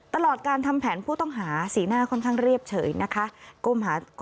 ตลอดการทำแผนผู้ต้องหาสีหน้าค่อนข้างเรียบเฉยนะคะ